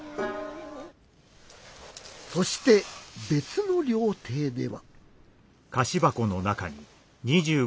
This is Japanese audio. そして別の料亭では。